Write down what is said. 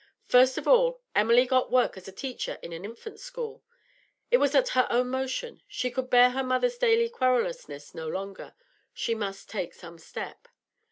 First of all, Emily got work as a teacher in an infant's school. It was at her own motion; she could bear her mother's daily querulousness no longer; she must take some step.